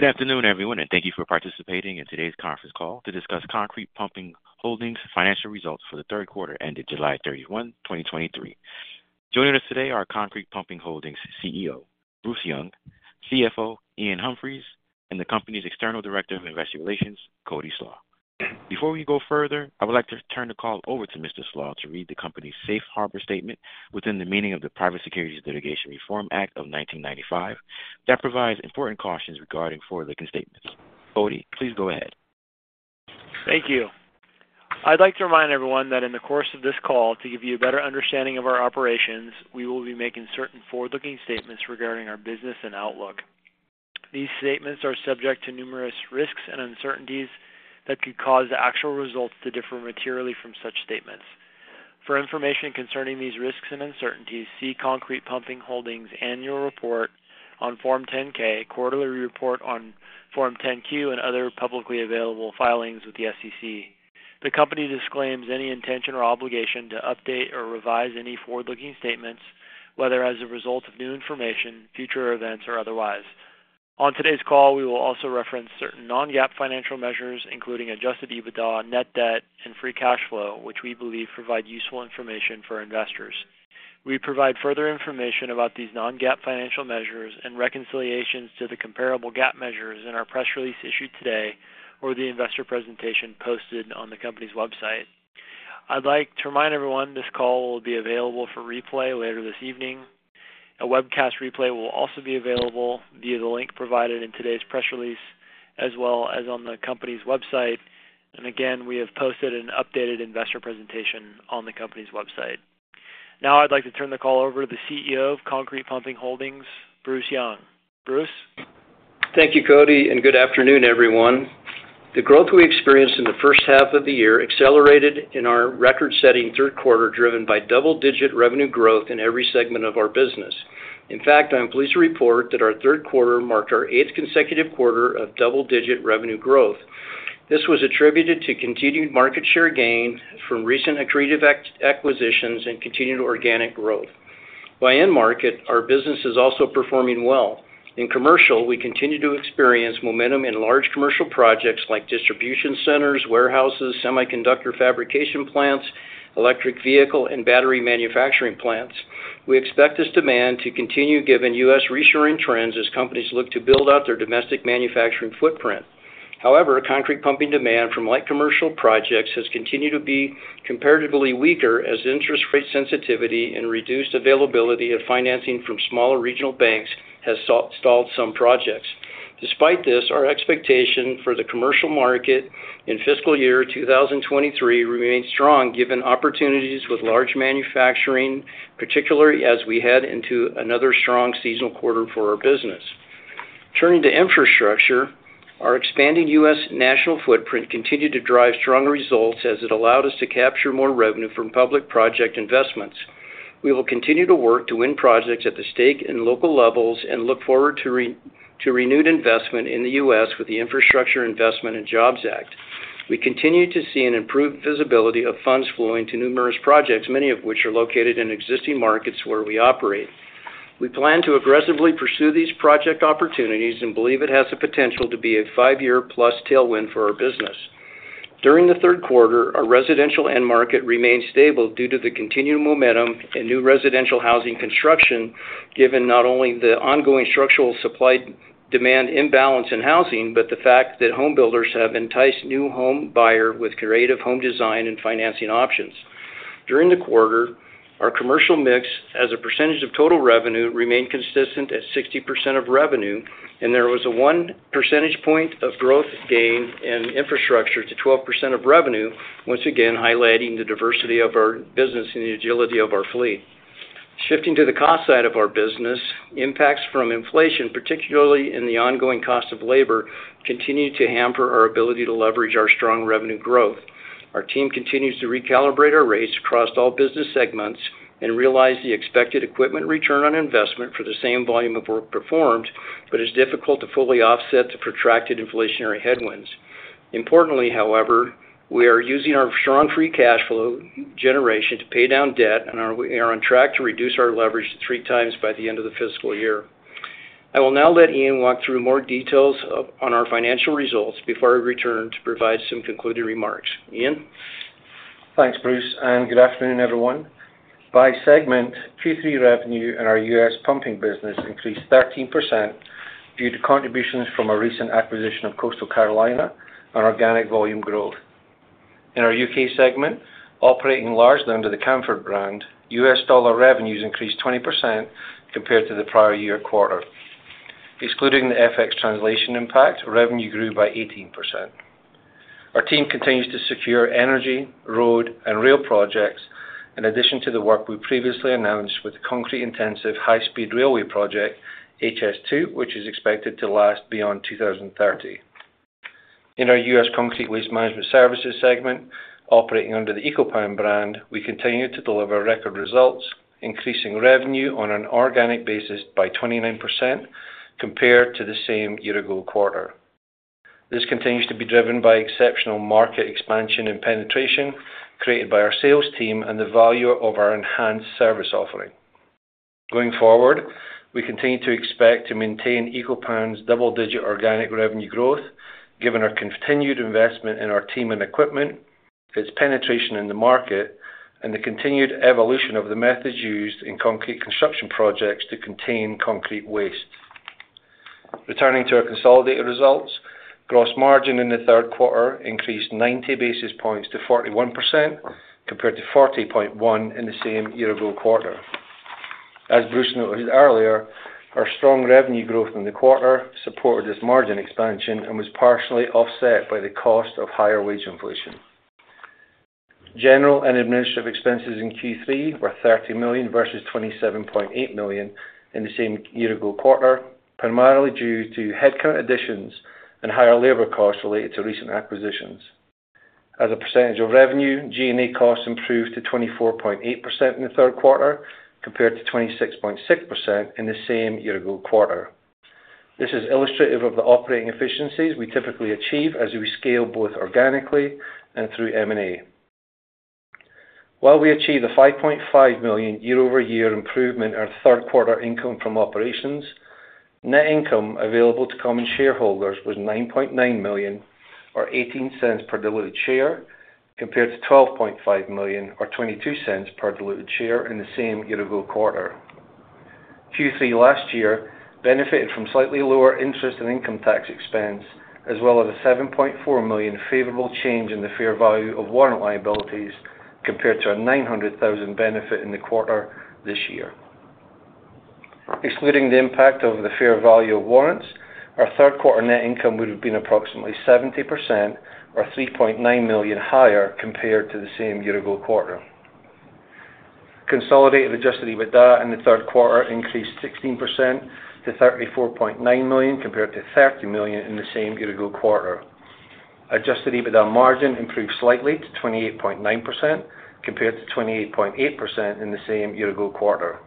Good afternoon, everyone, and thank you for participating in today's conference call to discuss Concrete Pumping Holdings' financial results for the 3rd quarter ended July 31, 2023. Joining us today are Concrete Pumping Holdings' CEO, Bruce Young, CFO, Iain Humphries, and the company's External Director of Investor Relations, Cody Slach. Before we go further, I would like to turn the call over to Mr. Slach to read the company's safe harbor statement within the meaning of the Private Securities Litigation Reform Act of 1995. That provides important cautions regarding forward-looking statements. Cody, please go ahead. Thank you. I'd like to remind everyone that in the course of this call, to give you a better understanding of our operations, we will be making certain forward-looking statements regarding our business and outlook. These statements are subject to numerous risks and uncertainties that could cause the actual results to differ materially from such statements. For information concerning these risks and uncertainties, see Concrete Pumping Holdings' annual report on Form 10-K, quarterly report on Form 10-Q, and other publicly available filings with the SEC. The company disclaims any intention or obligation to update or revise any forward-looking statements, whether as a result of new information, future events, or otherwise. On today's call, we will also reference certain non-GAAP financial measures, including Adjusted EBITDA, Net Debt, and Free Cash Flow, which we believe provide useful information for our investors. We provide further information about these non-GAAP financial measures and reconciliations to the comparable GAAP measures in our press release issued today or the investor presentation posted on the company's website. I'd like to remind everyone, this call will be available for replay later this evening. A webcast replay will also be available via the link provided in today's press release, as well as on the company's website. And again, we have posted an updated investor presentation on the company's website. Now, I'd like to turn the call over to the CEO of Concrete Pumping Holdings, Bruce Young. Bruce? Thank you, Cody, and good afternoon, everyone. The growth we experienced in the first half of the year accelerated in our record-setting 3rd quarter, driven by double-digit revenue growth in every segment of our business. In fact, I'm pleased to report that our 3rd quarter marked our eighth consecutive quarter of double-digit revenue growth. This was attributed to continued market share gains from recent accretive acquisitions and continued organic growth. By end market, our business is also performing well. In commercial, we continue to experience momentum in large commercial projects like distribution centers, warehouses, semiconductor fabrication plants, electric vehicle, and battery manufacturing plants. We expect this demand to continue, given U.S. reshoring trends, as companies look to build out their domestic manufacturing footprint. However, concrete pumping demand from light commercial projects has continued to be comparatively weaker, as interest rate sensitivity and reduced availability of financing from smaller regional banks has stalled some projects. Despite this, our expectation for the commercial market in fiscal year 2023 remains strong, given opportunities with large manufacturing, particularly as we head into another strong seasonal quarter for our business. Turning to infrastructure, our expanding U.S. national footprint continued to drive strong results as it allowed us to capture more revenue from public project investments. We will continue to work to win projects at the state and local levels and look forward to renewed investment in the U.S. with the Infrastructure Investment and Jobs Act. We continue to see an improved visibility of funds flowing to numerous projects, many of which are located in existing markets where we operate. We plan to aggressively pursue these project opportunities and believe it has the potential to be a five-year-plus tailwind for our business. During the 3rd quarter, our residential end market remained stable due to the continued momentum in new residential housing construction, given not only the ongoing structural supply-demand imbalance in housing, but the fact that homebuilders have enticed new home buyer with creative home design and financing options. During the quarter, our commercial mix, as a percentage of total revenue, remained consistent at 60% of revenue, and there was a one percentage point of growth gain in infrastructure to 12% of revenue, once again, highlighting the diversity of our business and the agility of our fleet. Shifting to the cost side of our business, impacts from inflation, particularly in the ongoing cost of labor, continued to hamper our ability to leverage our strong revenue growth. Our team continues to recalibrate our rates across all business segments and realize the expected equipment return on investment for the same volume of work performed, but it's difficult to fully offset the protracted inflationary headwinds. Importantly, however, we are using our strong free cash flow generation to pay down debt and we are on track to reduce our leverage to three times by the end of the fiscal year. I will now let Iain walk through more details on our financial results before I return to provide some concluding remarks. Iain? Thanks, Bruce, and good afternoon, everyone. By segment, Q3 revenue in our U.S. pumping business increased 13% due to contributions from our recent acquisition of Coastal Carolina and organic volume growth. In our U.K. segment, operating largely under the Camfaud brand, U.S. dollar revenues increased 20% compared to the prior year quarter. Excluding the FX translation impact, revenue grew by 18%. Our team continues to secure energy, road, and rail projects, in addition to the work we previously announced with the concrete-intensive high-speed railway project, HS2, which is expected to last beyond 2030. In our U.S. Concrete Waste Management Services segment, operating under the Eco-Pan brand, we continue to deliver record results, increasing revenue on an organic basis by 29% compared to the same year-ago quarter. This continues to be driven by exceptional market expansion and penetration created by our sales team and the value of our enhanced service offering. Going forward, we continue to expect to maintain Eco-Pan's double-digit organic revenue growth, given our continued investment in our team and equipment, its penetration in the market, and the continued evolution of the methods used in concrete construction projects to contain concrete waste. Returning to our consolidated results, gross margin in the 3rd quarter increased 90 basis points to 41%, compared to 40.1% in the same year-ago quarter. As Bruce noted earlier, our strong revenue growth in the quarter supported this margin expansion and was partially offset by the cost of higher wage inflation. General and administrative expenses in Q3 were $30 million versus $27.8 million in the same year-ago quarter, primarily due to headcount additions and higher labor costs related to recent acquisitions. As a percentage of revenue, G&A costs improved to 24.8% in the 3rd quarter, compared to 26.6% in the same year-ago quarter. This is illustrative of the operating efficiencies we typically achieve as we scale both organically and through M&A. While we achieved a $5.5 million year-over-year improvement in our 3rd quarter income from operations, net income available to common shareholders was $9.9 million, or $0.18 per diluted share, compared to $12.5 million or $0.22 per diluted share in the same year-ago quarter. Q3 last year benefited from slightly lower interest and income tax expense, as well as a $7.4 million favorable change in the fair value of warrant liabilities, compared to our $900,000 benefit in the quarter this year. Excluding the impact of the fair value of warrants, our 3rd quarter net income would have been approximately 70% or $3.9 million higher compared to the same year-ago quarter. Consolidated Adjusted EBITDA in the 3rd quarter increased 16% to $34.9 million, compared to $30 million in the same year-ago quarter. Adjusted EBITDA margin improved slightly to 28.9%, compared to 28.8% in the same year-ago quarter.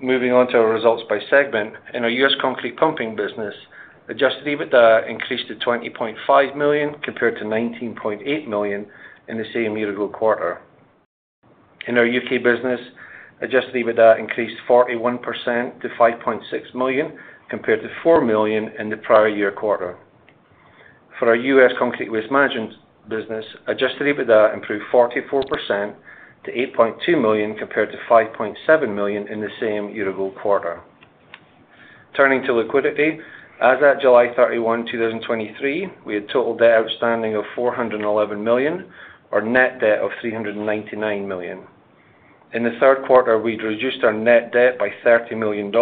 Moving on to our results by segment. In our U.S. concrete pumping business, Adjusted EBITDA increased to $20.5 million, compared to $19.8 million in the same year-ago quarter. In our U.K. business, adjusted EBITDA increased 41% to $5.6 million, compared to $4 million in the prior year quarter. For our U.S. Concrete Waste Management business, adjusted EBITDA improved 44% to $8.2 million, compared to $5.7 million in the same year-ago quarter. Turning to liquidity. As at July 31, 2023, we had total debt outstanding of $411 million, or net debt of $399 million. In the 3rd quarter, we'd reduced our net debt by $30 million,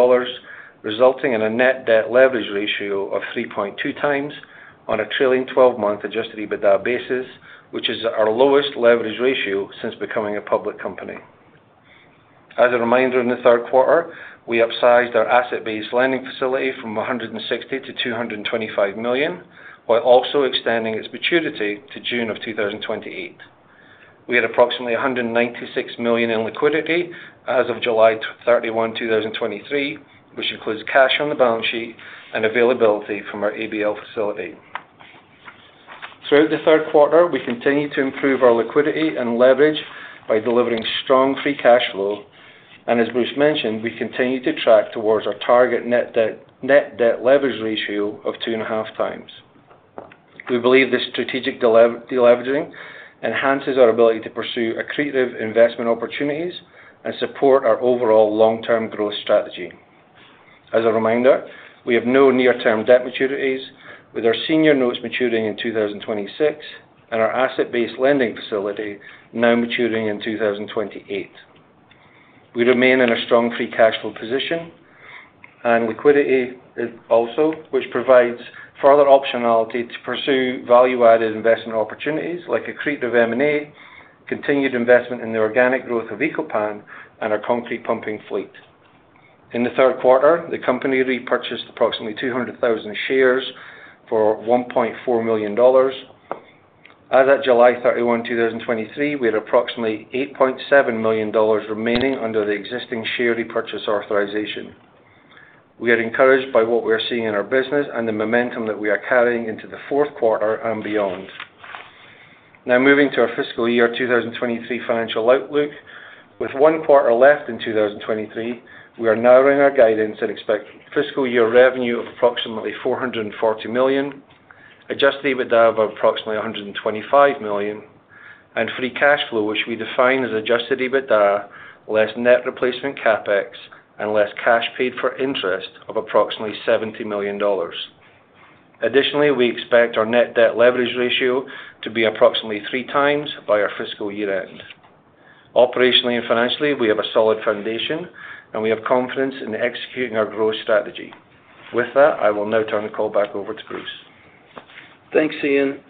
resulting in a net debt leverage ratio of 3.2x on a trailing twelve-month adjusted EBITDA basis, which is our lowest leverage ratio since becoming a public company. As a reminder, in the 3rd quarter, we upsized our asset-based lending facility from $160 million to $225 million, while also extending its maturity to June 2028. We had approximately $196 million in liquidity as of July 31, 2023, which includes cash on the balance sheet and availability from our ABL facility. Throughout the 3rd quarter, we continued to improve our liquidity and leverage by delivering strong free cash flow, and as Bruce mentioned, we continue to track towards our target net debt, net debt leverage ratio of 2.5 times. We believe this strategic deleveraging enhances our ability to pursue accretive investment opportunities and support our overall long-term growth strategy. As a reminder, we have no near-term debt maturities, with our Senior Notes maturing in 2026 and our asset-based lending facility now maturing in 2028. We remain in a strong free cash flow position and liquidity is also, which provides further optionality to pursue value-added investment opportunities like accretive M&A, continued investment in the organic growth of Eco-Pan, and our concrete pumping fleet. In the 3rd quarter, the company repurchased approximately 200,000 shares for $1.4 million. As at July 31, 2023, we had approximately $8.7 million remaining under the existing share repurchase authorization. We are encouraged by what we are seeing in our business and the momentum that we are carrying into the 4th quarter and beyond. Now, moving to our fiscal year 2023 financial outlook. With one quarter left in 2023, we are narrowing our guidance and expect fiscal year revenue of approximately $440 million, Adjusted EBITDA of approximately $125 million, and Free Cash Flow, which we define as Adjusted EBITDA less net replacement CapEx and less cash paid for interest of approximately $70 million. Additionally, we expect our Net Debt leverage ratio to be approximately three times by our fiscal year-end. Operationally and financially, we have a solid foundation, and we have confidence in executing our growth strategy. With that, I will now turn the call back over to Bruce. Thanks, Iain.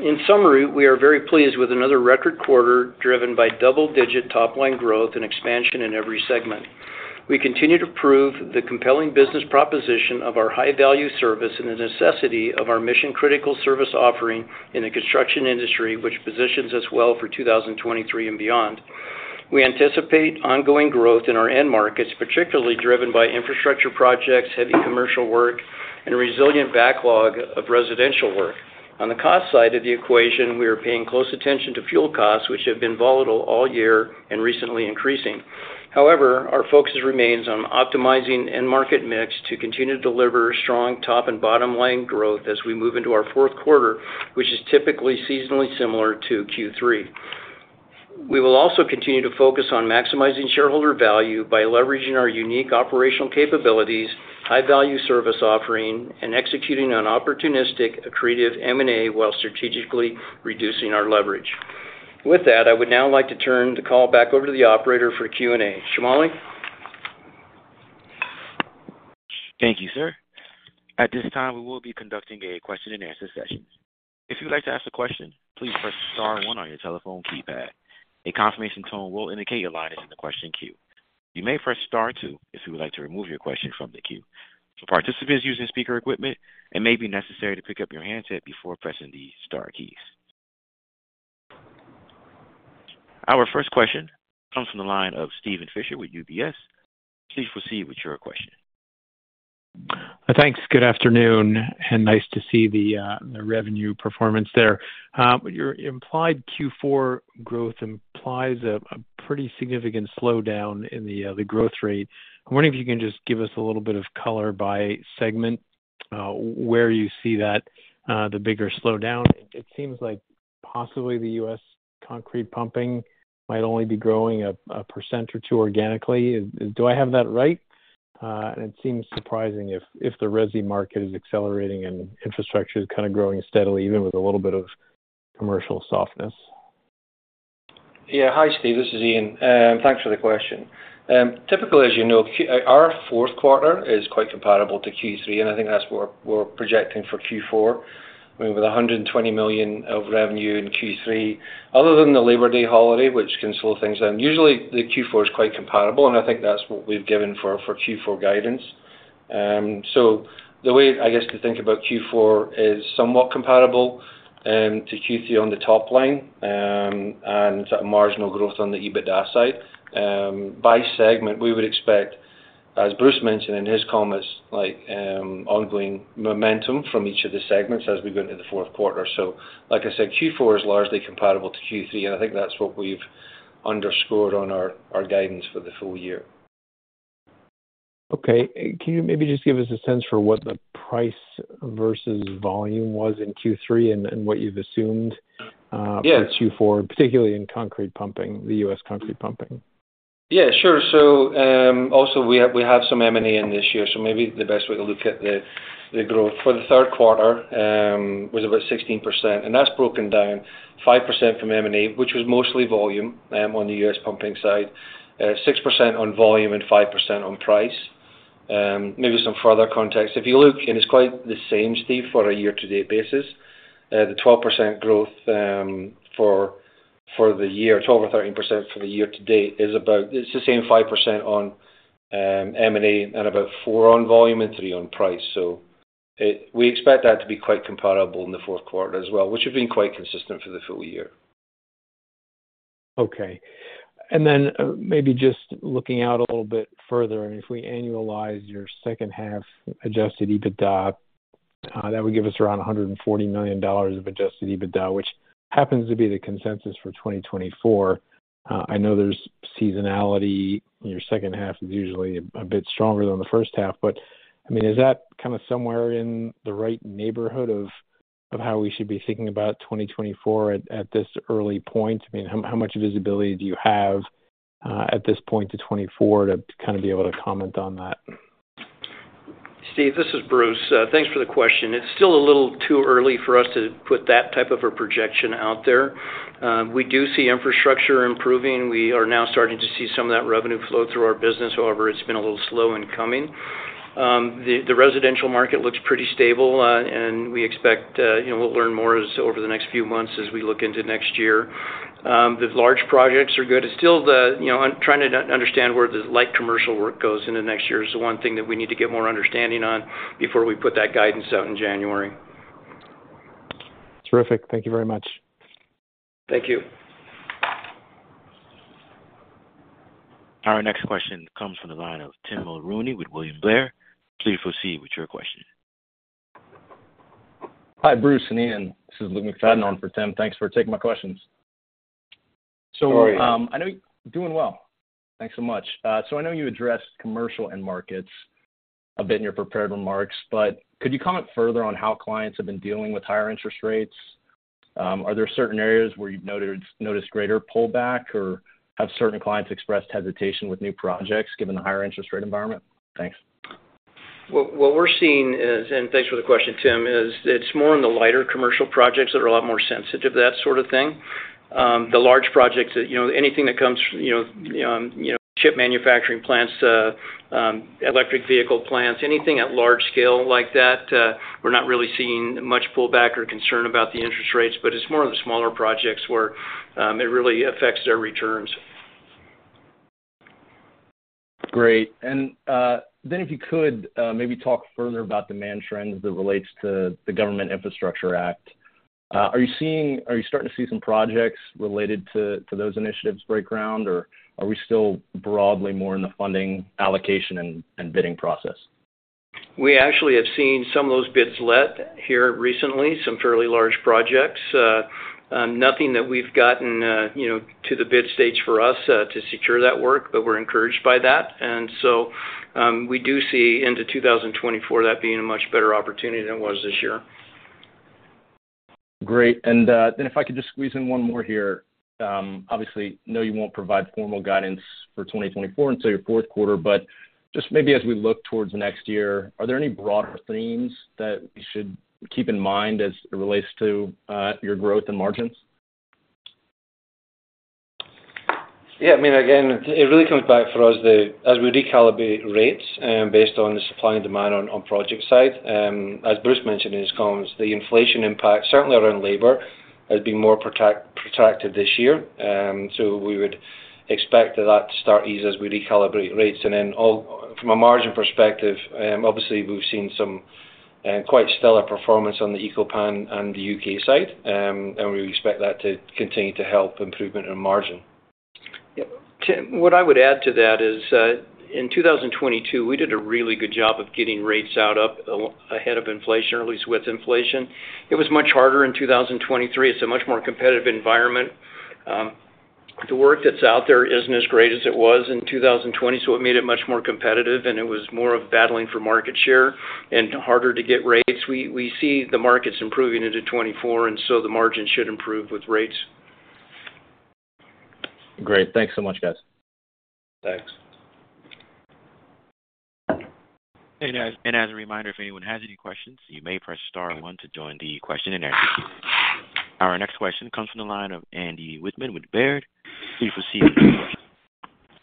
In summary, we are very pleased with another record quarter, driven by double-digit top-line growth and expansion in every segment. We continue to prove the compelling business proposition of our high-value service and the necessity of our mission-critical service offering in the construction industry, which positions us well for 2023 and beyond. We anticipate ongoing growth in our end markets, particularly driven by infrastructure projects, heavy commercial work, and a resilient backlog of residential work. On the cost side of the equation, we are paying close attention to fuel costs, which have been volatile all year and recently increasing. However, our focus remains on optimizing end market mix to continue to deliver strong top and bottom line growth as we move into our 4th quarter, which is typically seasonally similar to Q3. We will also continue to focus on maximizing shareholder value by leveraging our unique operational capabilities, high value service offering, and executing on opportunistic, accretive M&A, while strategically reducing our leverage. With that, I would now like to turn the call back over to the operator for Q&A. Shamali? Thank you, sir. At this time, we will be conducting a question-and-answer session. If you would like to ask a question, please press star one on your telephone keypad. A confirmation tone will indicate your line is in the question queue. You may press star two if you would like to remove your question from the queue. For participants using speaker equipment, it may be necessary to pick up your handset before pressing the star keys. Our first question comes from the line of Steven Fisher with UBS. Please proceed with your question. Thanks. Good afternoon, and nice to see the revenue performance there. Your implied Q4 growth implies a pretty significant slowdown in the growth rate. I'm wondering if you can just give us a little bit of color by segment, where you see that the bigger slowdown. It seems like possibly the U.S. concrete pumping might only be growing 1% or 2% organically. Do I have that right? And it seems surprising if the Resi market is accelerating and infrastructure is kind of growing steadily, even with a little bit of commercial softness. Yeah. Hi, Steve, this is Iain. Thanks for the question. Typically, as you know, our 4th quarter is quite comparable to Q3, and I think that's what we're projecting for Q4, with $120 million of revenue in Q3. Other than the Labor Day holiday, which can slow things down, usually the Q4 is quite comparable, and I think that's what we've given for Q4 guidance. So the way, I guess, to think about Q4 is somewhat comparable to Q3 on the top line, and marginal growth on the EBITDA side. By segment, we would expect, as Bruce mentioned in his comments, like, ongoing momentum from each of the segments as we go into the 4th quarter. So like I said, Q4 is largely comparable to Q3, and I think that's what we've underscored on our guidance for the full year. Okay. Can you maybe just give us a sense for what the price versus volume was in Q3 and what you've assumed? Yes... for Q4, particularly in concrete pumping, the US concrete pumping? Yeah, sure. Also, we have some M&A this year, so maybe the best way to look at the growth for the 3rd quarter was about 16%, and that's broken down 5% from M&A, which was mostly volume, on the US pumping side, 6% on volume and 5% on price. Maybe some further context. If you look, and it's quite the same, Steve, for a year-to-date basis, the 12% growth for the year, 12% or 13% for the year to date is about. It's the same 5% on M&A and about 4% on volume and 3% on price. We expect that to be quite comparable in the 4th quarter as well, which has been quite consistent for the full year. Okay. And then maybe just looking out a little bit further, and if we annualize your second half Adjusted EBITDA, that would give us around $140 million of Adjusted EBITDA, which happens to be the consensus for 2024. I know there's seasonality. Your second half is usually a bit stronger than the first half, but I mean, is that kind of somewhere in the right neighborhood of how we should be thinking about 2024 at this early point? I mean, how much visibility do you have at this point to 2024 to kind of be able to comment on that? Steve, this is Bruce. Thanks for the question. It's still a little too early for us to put that type of a projection out there. We do see infrastructure improving. We are now starting to see some of that revenue flow through our business, however, it's been a little slow in coming. The residential market looks pretty stable, and we expect, you know, we'll learn more as over the next few months as we look into next year. The large projects are good. It's still the, you know, trying to understand where the light commercial work goes into next year is the one thing that we need to get more understanding on before we put that guidance out in January. Terrific. Thank you very much. Thank you. Our next question comes from the line of Tim Mulrooney with William Blair. Please proceed with your question. Hi, Bruce and Iain. This is Luke McFadden on for Tim. Thanks for taking my questions. How are you? So, I know... Doing well. Thanks so much. So I know you addressed commercial end markets a bit in your prepared remarks, but could you comment further on how clients have been dealing with higher interest rates? Are there certain areas where you've noticed greater pullback, or have certain clients expressed hesitation with new projects, given the higher interest rate environment? Thanks. What we're seeing is, and thanks for the question, Tim, it's more in the lighter commercial projects that are a lot more sensitive to that sort of thing. The large projects that, you know, anything that comes, you know, chip manufacturing plants, electric vehicle plants, anything at large scale like that, we're not really seeing much pullback or concern about the interest rates, but it's more of the smaller projects where it really affects their returns. Great. And then if you could maybe talk further about demand trends as it relates to the Government Infrastructure Act... Are you starting to see some projects related to those initiatives break ground, or are we still broadly more in the funding allocation and bidding process? We actually have seen some of those bids let here recently, some fairly large projects. Nothing that we've gotten, you know, to the bid stage for us to secure that work, but we're encouraged by that. And so, we do see into 2024, that being a much better opportunity than it was this year. Great. And, then if I could just squeeze in one more here. Obviously, I know you won't provide formal guidance for 2024 until your 4th quarter, but just maybe as we look toward next year, are there any broader themes that we should keep in mind as it relates to your growth and margins? Yeah, I mean, again, it really comes back for us as we recalibrate rates, based on the supply and demand on the project side. As Bruce mentioned in his comments, the inflation impact, certainly around labor, has been more protracted this year. So we would expect that to start to ease as we recalibrate rates. And then from a margin perspective, obviously, we've seen some quite stellar performance on the Eco-Pan and the UK side, and we expect that to continue to help improvement in margin. Yeah. what I would add to that is that, in 2022, we did a really good job of getting rates out ahead of inflation, or at least with inflation. It was much harder in 2023. It's a much more competitive environment. The work that's out there isn't as great as it was in 2020, so it made it much more competitive, and it was more of battling for market share and harder to get rates. We see the markets improving into 2024, and so the margins should improve with rates. Great. Thanks so much, guys. Thanks. As a reminder, if anyone has any questions, you may press star one to join the question and answer. Our next question comes from the line of Andrew Wittmann with Baird. Please proceed with your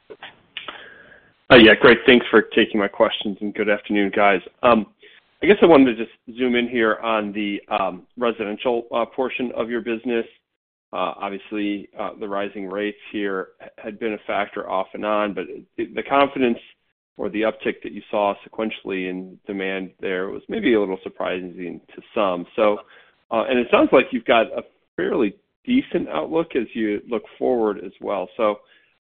question. Yeah, great. Thanks for taking my questions, and good afternoon, guys. I guess I wanted to just zoom in here on the residential portion of your business. Obviously, the rising rates here had been a factor off and on, but the confidence or the uptick that you saw sequentially in demand there was maybe a little surprising to some. So, and it sounds like you've got a fairly decent outlook as you look forward as well. So,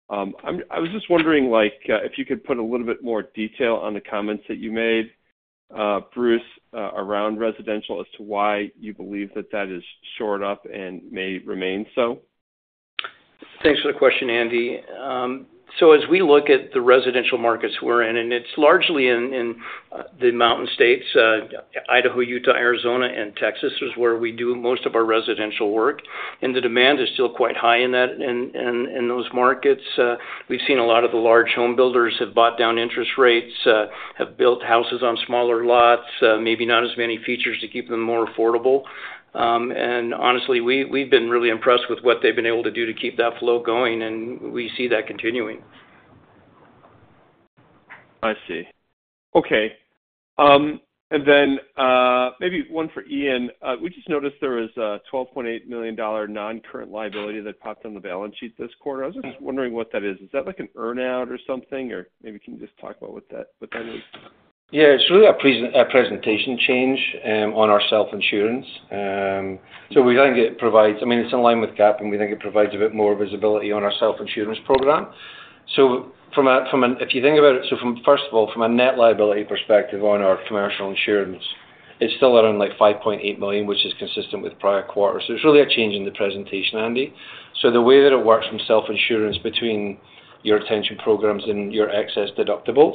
I was just wondering, like, if you could put a little bit more detail on the comments that you made, Bruce, around residential as to why you believe that that is shored up and may remain so. Thanks for the question, Andy. So as we look at the residential markets we're in, and it's largely in the mountain states, Idaho, Utah, Arizona, and Texas, is where we do most of our residential work, and the demand is still quite high in those markets. We've seen a lot of the large home builders have bought down interest rates, have built houses on smaller lots, maybe not as many features to keep them more affordable. And honestly, we, we've been really impressed with what they've been able to do to keep that flow going, and we see that continuing. I see. Okay. And then, maybe one for Iain. We just noticed there was a $12.8 million non-current liability that popped on the balance sheet this quarter. I was just wondering what that is. Is that like an earn out or something? Or maybe can you just talk about what that, what that is? Yeah, it's really a presentation change on our self-insurance. So we think it provides... I mean, it's in line with GAAP, and we think it provides a bit more visibility on our self-insurance program. So from, if you think about it, so from first of all, from a net liability perspective on our commercial insurance, it's still around like $5.8 million, which is consistent with prior quarters. So it's really a change in the presentation, Andy. So the way that it works from self-insurance between your retention programs and your excess deductibles,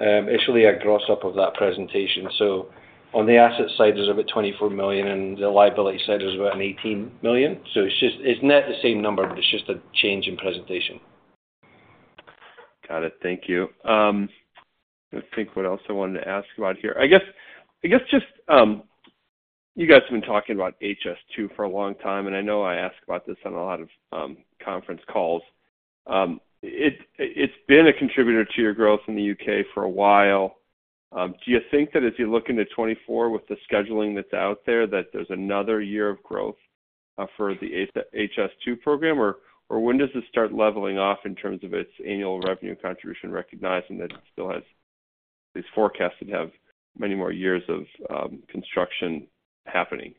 it's really a gross up of that presentation. So on the asset side, there's about $24 million, and the liability side is about $18 million. So it's just, it's net the same number, but it's just a change in presentation. Got it. Thank you. Let's think what else I wanted to ask about here. I guess, I guess just, you guys have been talking about HS2 for a long time, and I know I ask about this on a lot of, conference calls. It, it's been a contributor to your growth in the U.K. for a while. Do you think that as you look into 2024, with the scheduling that's out there, that there's another year of growth, for the HS2 program? Or, or when does this start leveling off in terms of its annual revenue contribution, recognizing that it still has these forecasts that have many more years of, construction happening?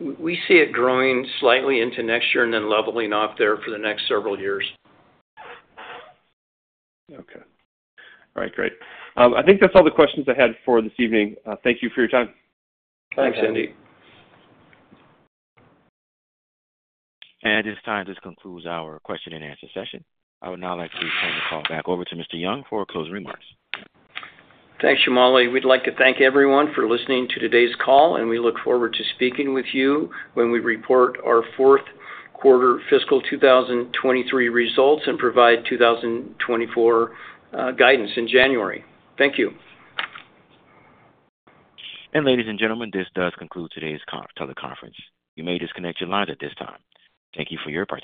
We see it growing slightly into next year and then leveling off there for the next several years. Okay. All right, great. I think that's all the questions I had for this evening. Thank you for your time. Thanks, Andy. At this time, this concludes our question and answer session. I would now like to turn the call back over to Mr. Young for closing remarks. Thanks, Shamali. We'd like to thank everyone for listening to today's call, and we look forward to speaking with you when we report our 4th quarter fiscal 2023 results and provide 2024 guidance in January. Thank you. Ladies and gentlemen, this does conclude today's conference. You may disconnect your lines at this time. Thank you for your participation.